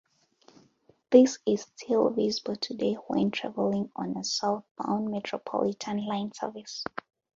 This is still visible today when traveling on a southbound Metropolitan line service.